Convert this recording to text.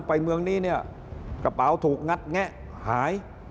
ไปเมืองนี้เนี่ยกระเป๋าถูกงัดแงะหาย